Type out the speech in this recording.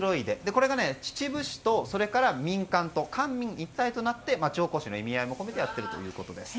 これが秩父市とそれから民間と官民一体となって町おこしの意味合いも込めてやっているということです。